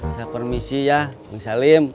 saya permisi ya bung salim